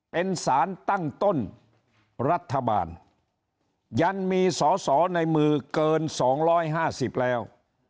เป็นสารตั้งต้นรัฐบาลยันมีสอสอในมือเกินสองร้อยห้าสิบแล้ว